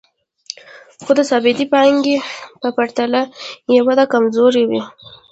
خو د ثابتې پانګې په پرتله یې وده کمزورې وي